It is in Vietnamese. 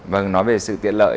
vâng nói về sự tiện lợi